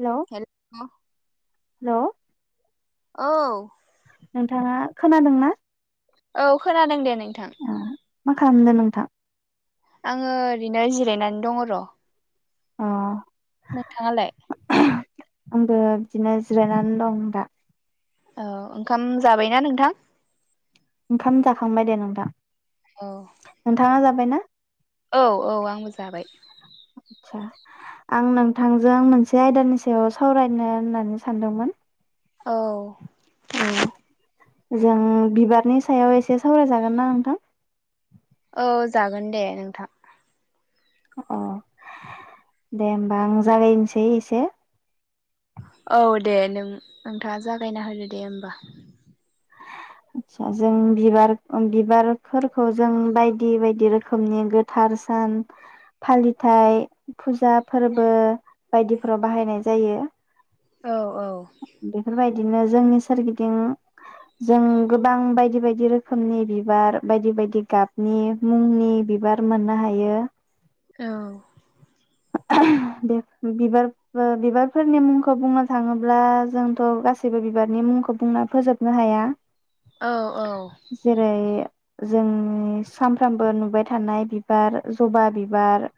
Hello hello hello औ नोंथाङा खोनादोंना? औ खोनादों दे नै ओ मा खालामनो नों थां आङो ओरैनो जिरायनानै दङ र' अ नोंथाङालाय? आंबो बिदिनो जिरायनानै दं दा। औ ओंखाम जाबायना नोंथां? ओंखाम जाखांबाय दे नोंथां। औ नोंथाङा जाथ जाबाय ना? औ औ आंबो जाबाय आदसा आं नोंथांजों मोनसे आयदानि सायाव सावरायनो होननानै सानदोंमोन । औ औ जों बिबारनि सायाव एसे सावराय जागोनना नोंथां? औ जागोन दे नोंथां । अ दे होमबा आं जागानोसै एसे । औ दे नों नोंथाङा जागायना होदो दे ओमबा । आदसा जों बिबार बिबारफोरखौ जों बायदि बायदि रोखोमनि गोथार सान फालिथाइ फुजा फोरबो बायदिफोराव बाहायनाय जायो । औ औ दिनो जोंनि सोरगिदिं जों गोबां बायदि बायदि रोखोमनि बिबार बायदि बायदि गाबनि मुंनि बिबार मोननो हायो । औ बे बिबार बा बिबारफोरनि मुंखौ बुंनो थाङोब्ला जोंथ' गासैबो बिबारनि मुंखौ बुंना फोजोबनो हाया । औ औ जोंनि सानफ्रोमबो नुबाय थानाय बिबार ज'बा बिबार,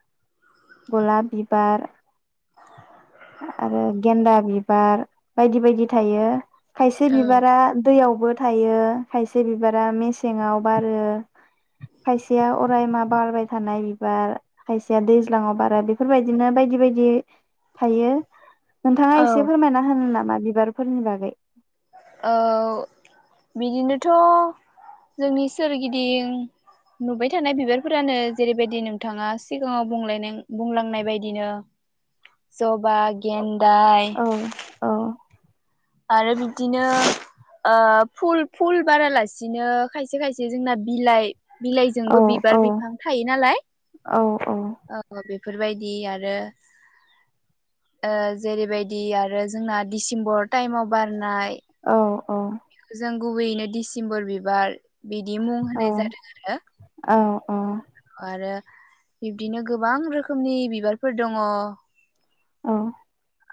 गलाप बिबार, आरो गेन्दा बि बार बायदि बायदि थायो । खायसे औ बिबारा दैयाव बो थायो खायसे बिबारा मेसेंयाव बारो। खायसेया अराय मा बारबाय थानाय बिबार खायसेया दै ज्लांआव बारो बेफोरबायदिनो बायदि बायदि थायो । नोंथाङा औ एसे फोरमायना होनो नामा? बिबारफोरनि बागै । औ बिदिनोथ' जोंनि सोरगिदिं नुबाय थानाय बिबारफोरानो जेरैबायदि नोंथाङा सिगाङाव बुंलायनों बुंलांनाय बायदिनो । जबा गेन्दाय, औ औ आरो बिब्दिनो ओ फुल फुल बारालासिनो खायसे खायसे जोंना बिलाइ औ बिलाइजोंबो बिबार औ बिफां थायो नालाय औ औ बे फोरबायदि आरो ओ जेरैबायदि आरो जोंना डिसेम्बर टाइमआव बारनाय अ गुबैयैनो डिसिम्बर बिबार बिदि मुं होनाय जादों आरो । अ आरो बिब्दिनो गोबां रोखोमनि बिबारफोर दङ । औ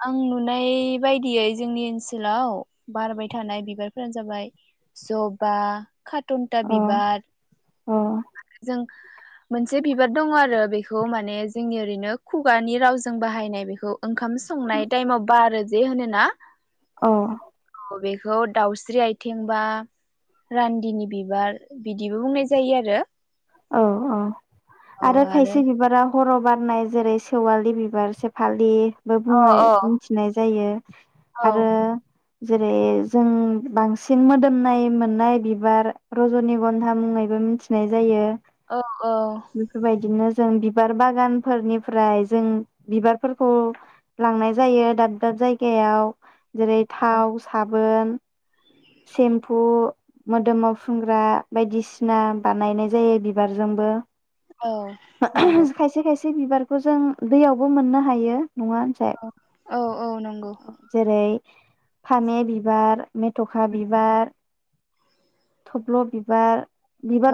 आं नुनाय बायदियै जोंनि ओनसोलाव बारबाय थानाय बिबारफोरानो जाबाय ज'बा, खाटनटा बिबार, औ जों मोनसे बिबार दङ आरो बेखौ माने जोंनि ओरैनो खुगानि रावजों बाहायनाय बेखौ ओंखाम संनाय टाइम आव बारो जे होनो ना औ बेखौ दाउस्रि आइथिं बा रान्दिनि बिबार बिदिबो बुंनाय जायो आरो औ औ आरो खायसे बिबारा हराव बारनाय जेरै सेवालि बिबार सेफालि बो अ बुङै आरो मिनथिनाय जायो अ औ आरो जेरै जों बांसिन मोदोमनाय मोननाय बिबार रजनि गन्धा मुङैबो मिथिनाय जायो औ बेफोरबायदिनो जों बिबार बागानफोरनिफ्राय जों बिबारफोरखौ लांनाय जायो दाब दाब जायगायाव जेरै औ थाव साब बोन सेम्फु मोदोमाव फुनग्रा बायदिसिना बानायनाय जायो बिबारजोंबो औ उम नंगौ खायसे खायसे बे बिबारखौ जों दैयावबो मोननो हायो। नङा होनसाय औ औ नंगौ जेरै फामे बिबार मेथखा मेथखा बिबार थब्ल बिबार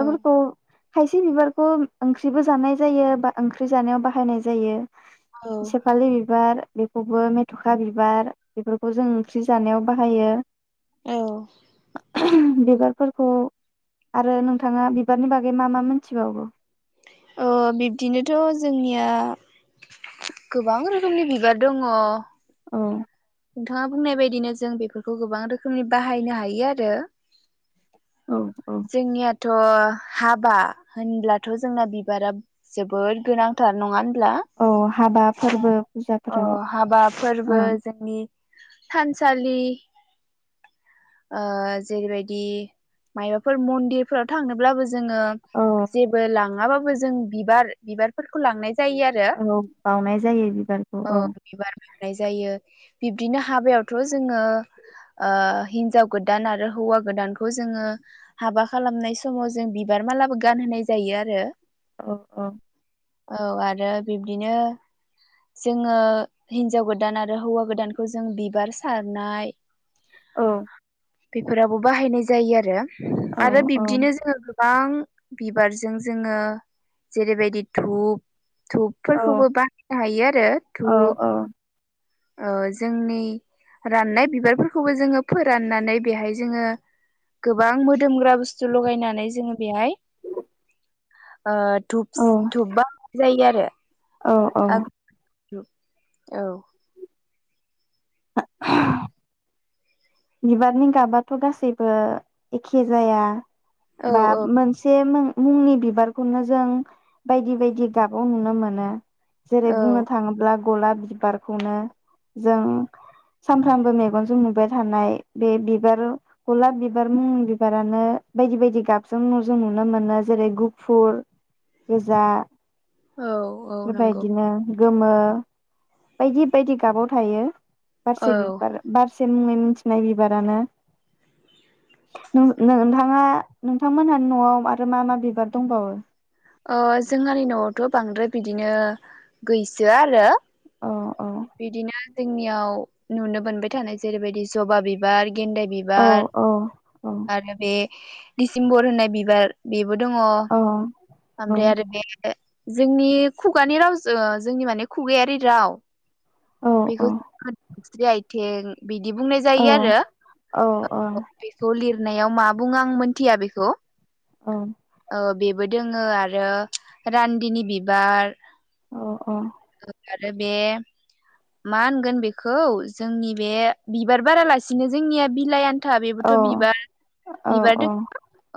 औ खायसे बिबारखौ ओंख्रिबो जानाय जायो बा ओंख्रि जानायाव बाहायनाय जायो। सेपालि बिबार बेखौबो मेथखा बिबार बेफोरखौ जों ओंख्रि जानायाव बाहायो। औ [unintelligible] बिबारफोरखौ आरो नोंथाङा बिबारनि बागै मा मा मोनथिबावो अ बिब्दिनोथ जोंनिया गोबां रोखोमनि बिबार दङ। औ नोंथाङा बुंनाय बायदिनो जों बेफोरखौ गोबां रोखोमनि बाहायनो हायो आरो जोंनियाथ हाबा होनब्लाथ जोंना बिबारा जोबोद गोनांथार नङा होनबा होमब्ला औ हाबा फोरबो ओ फुजाफोराव हाबा फोरबो जोंनि थानसालि ओ जेरैबायदि मायबाफोर मन्दिरफोराव थांनोब्लाबो जों जोङो औ जेबो लाङाबाबो जों बिबार बिबारफोरखौ लांनाय जायो आरो औ बावनाय जायो बिबारखौ औ । बावनाय जायो बिबदिनो हाबायावथ' जोङो ओ हिन हिनजाव गोदान आरो हौवा गोदानखौ जोङो हाबा खालामनाय समाव जों बिबार मालाबो गानहोनाय जायो आरो औ -औ औ आरो बिब्दिनो जोङो हिन्जाव गोदान आरो हौवा गोदानखौ जों बिबार सारनाय औ बेफोरावबो बाहायनाय जायो आरो औ आरो औ बिब्दिनो जोङो गोबां बिबारजों जोङो जेरै बायदि धुप औ धुपफोरखौबो बानायनो हायो आरो औ धुप ओ जोंनि राननाय बिबारफोरखौबो जोङो फोर राननानै बेहाय जोङो गोबां मोदोमग्रा बुस्थु लगायनानै जोङो बेहाय ओ धुप औ धुप बानायनाय जायो आरो औ -औ आगु औ बिबारनि गाबाथ' गासैबो एखे जाया। औ बा मोनसे मुंनि बिबारखौनो जों बायदि बायदि गाबाव नुनो मोनो। जेरै औ बुंनो थाङोब्ला गलाब बिबारखौनो जों सानफ्रामबो मेगजों नुबाय थानाय बे बिबार गलाब बिबार मुंनि बिबारानो बायदि बायदि गाब जों नुनो मोनो जेरै गुफुर, गोजा औ औ नंगौ बेबायदिनो गोमो बायदि बायदि गाबाव थायो। बारसे औ बिबार बार [unintelligible] मिथिनाय बिबारानो नों-नोंथाङा नोंथांमोनहानि न'आव आरो मा मा बिबार दंबावो? ओ जोंहानि नआवथ' बांद्राय बिदिनो गैसोया आरो अ बिदिनो जोंनियाव नुनो मोनबाय थानाय जेरैबायदि जबा बिबार गेन्दाय औ बिबार औ औ आरो बे दिसिम्बर होननाय बिबार बे बो दङ औ औ ओमफ्राय आरो बे जोंनि खुगानि राव जोंनि माने खुगायारि राव औ बेखौ जि आइ टेग बिदि बुंनाय औ जायो आरो औ बेखौ लिर नायाव मा बुं आं मोनथिया बेखौ। ओ बे बोदोङो आरो रान्दिनि बिबार अ अ। आरो बे मा होनगोन बेखौ जोंनि बे बिबार बारालासिनो जोंनिया बिलायानो औ औ दो औ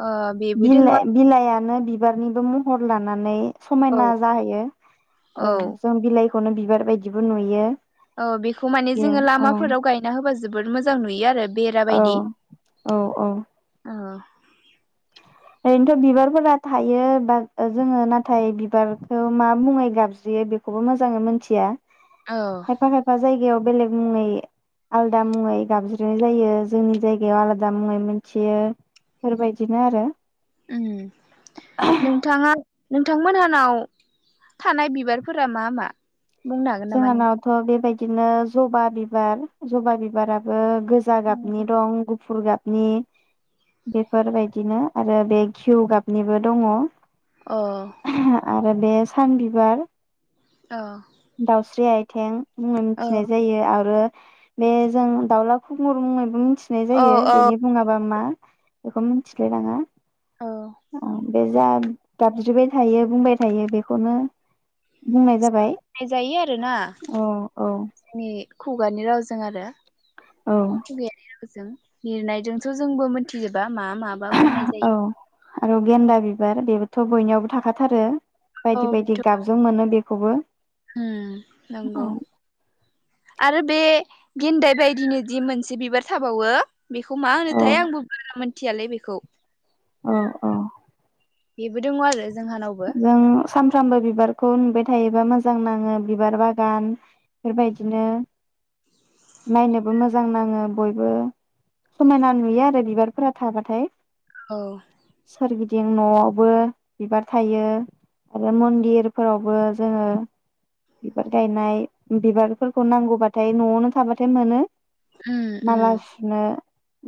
ओ बेबो दोङो बिलाइ बिलायानो बिबारनिबो महर लानानै औ समायना जाहैयो औ ओं जों बिलाइ खौनो बिबार बायदिबो नुयो औ बेखौ माने बेयो जोङो औ लामाफोराव गायना होबा जो बोद मोजां नुयो आरो बेरा औ बायदि औ औ। औ ओरैनोथ बिबारफोरा थायो बाद जोङो ना थाय बिबारखौ मा मुङै गाब ज्रियो बेखौबो मोजाङै मिथिया औ खायफा खायफा जाय जायगायाव बेलेग मुङै आलादा मुङै गाबज्रिनाय जायो जोंनि जायगायाव आलादा मुङै मोनथियो बेफोरबायदिनो आरो उम नोंथाङा नोंथांमोन हानाव थानाय बिबारफोरा मा मा? बुंनो हागोन नामा नों जोंहानावथ बेबायदि दिनो जबा बिबार जबा बिबाराबो गोजा गाबनि दं गुफुर गाब नि बेफोरबायदिनो आरो बे घिउ गाबनिबो दङ। अ फाय बे सान बिबार औ दाउस्रि आइथें मुङै मिथिनाय जायो आरो बे जों दाउला खुुमुर मुङैबो मि थिनाय औ जायो औ बेनि बुङाबा मा एख' मिथिलाय लाङा औ औ। बे जा गाबज्रिबाय थायो बुंबाय थायो बेखौनो बुंनाय जाबाय। नायजायो आरोना औ औ जोंनि खुगानि रावजों आरो औ खुगायारि रावजो जों लिरनायजोंथ जोंबो मिथिजोबा। मा माबा बुंनाय औ जायो। आरो गेन्दा बिबार बेबोथ' बयनियावबो थाखाथारो। बायदि बायदि गाबजों मोनो बेखौबो। होम नोंगौ। औ आरो बे गेन्दाय बायदिनो दि मोनसे बिबार थाबावो बेखौ मा औ होनोथाय आंबो बारा मोन मिथियालै बेखौ। औ औ। बेबो दङ' आरो जोंहानावबो जों सानफ्रामबो बिबार खौ नुबाय थायोबा मोजां नाङो बिबार बागान बेफोर बायदिनो नायनोबो मोजां नाङो बयबो समायना नुयो आरो बिबारफोरा थाबाथाय। औ। जों न'आवबो बिबार थायो आरो मन्दिरफोरावबो जोङो बिबार गायनाय बिबारफोरखौ नांगौबाथाय न'आवनो थाबाथाय मोनो। उम उम माला सुनो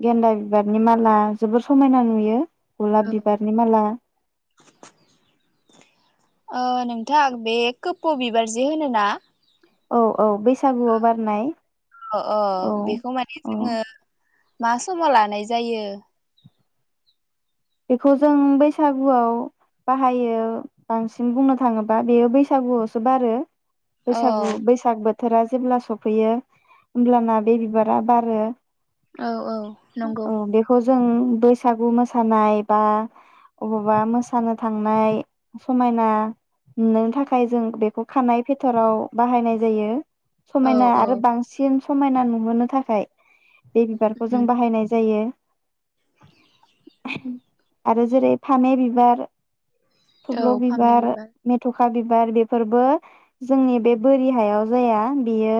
गेन्दा बिबारनि माला जोबोर समायना नुयो। गलाब औ बिबारनि माला ओ नोंथां बे खोफौ बिबार जे होनो ना औ औ बैसागुआव बारनाय। अ अ औ बेखौ माने औ जोङो मा समाव लानाय जायो? बेखौ जों बैसागुआव बाहायो बांसिन बुंनो थाङोबा बेयो बैसागुआवसो बारो। अ बैसागु बैसाग बो थोरा जेब्ला सफैयो होमब्लाना बे बिबारा बारो। औ औ नंगौ औ बेखौ जों बैसागु मोसा सानाय बा अबावबा मोसानो थांनाय समायना नुनो थाखाय जों बेखौ खानाय फेथराव बाहायनाय जायो। औ समायना औ आरो बांसिन समायना नुहोनो थाखाय बे बिबारखौ उम जों बाहायनाय जायो। आरो जेरै फामे बिबार औ थब्ल' फामे बिबार मेथ'ख खा बिबार बेफोरबो जोंनि बे बोरि हायाव जाया बेयो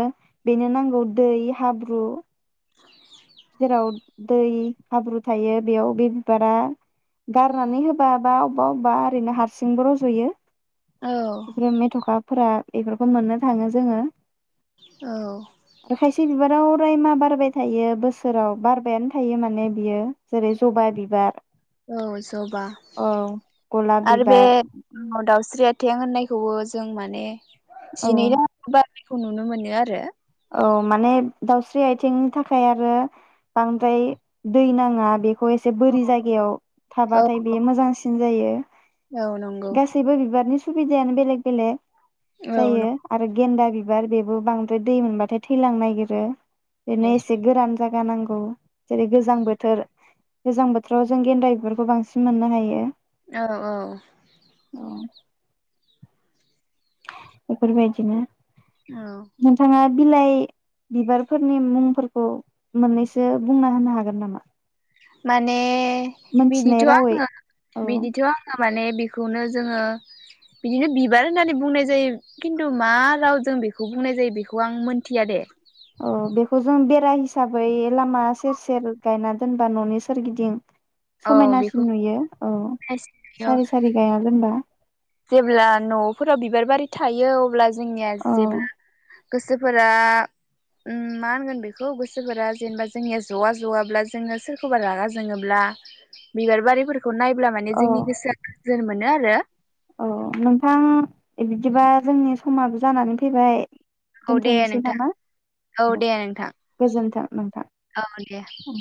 बेनो नांगौ दै हाब्रु जेराव दै हाब्रु थायो बेयाव बे बिबारा गारनानै होबा बा अबेबा अबेबा ओरैनो हारसिंबो रजयो औ ब्रे मेथ'खा फोरा बेफोरखौ मोननो थाङो जोङो औ आरो खायसे बिबाराव ओमफ्राय मा बारबाय थायो बोस सोराव बारबायानो थायो माने बियो जेरै जबा बिबार औ जबा औ गलाब आरो बे बिबार मदाउ स्रि आयथें होननायखौबो जों माने औ जिनै [unintelligible] खौ नुनो मोनो आरो औ माने दाउस्रि आथिंनि थाखाय आरो बांद्राय दै नाङा बे फ एसे बोरि जायगायाव औ थाबाथाय बे मोजांसिन जायो औ नंगौ गासैबो बिबारनि सुबिदायानो बेलेग बेलेग औ जायो आरो गेन्दा बि बिबार बेबो बांद्राइ दै मोनबाथाय थैलांनो नागिरो बेनो नंगौ इसे गोरान जायगा नांगौ जेरै गोजां बोथोर गोजां बोथोराव जों गेन्दा बेबारखौ बांसिन मोननो हायो औ औ बेफोर बायदिनो औ बिलाइ बिबारफोरनि मुंफोरखौ मोननैसो बुंना होनो हागोन नामा? माने मोनथिनाय बिदिथ' रावै आङो औ बिदिथ' आङो माने बे खौनो जोङो बिदिनो बिबार होननानै बुंनाय जायो खिन्थु मा रावजों बेखौ बुंनाय जायो बेखौ आं मोनथिया दे औ बेखौ जों बेरा हिसाबै लामा सेर सेर गायना दोनबा ननि सोरगिदिं औ बेखौ समायनासिन नुयो औ सारि सारि गायना दोनबा। जेब्ला नफोराव बिबार बारि थायो अब्ला जोंनिया औ जेब्ला गोसोफोरा उ मा होनगोन बेखौ गोसोफोरा जेनेबा जोंनिया जवा जवाब्ला जोङो सोरखौबा रागा जोङोब्ला। बिबार बारिफोर खौ नायब्ला माने औ जोंनि गोसोआ गोजोन मो नो आरो। औ नोंथां बिदिबा जोंनि समाबो जानानै फैबाय औ दे दोन्थ'नोसै नोंथां नामा? औ दे नोंथां गोजोन्थों नोंथां औ दे औ।